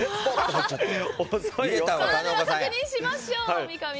では、確認しましょう。